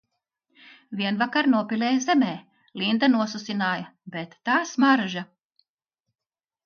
Vienvakar nopilēja zemē, Linda nosusināja, bet – tā smarža!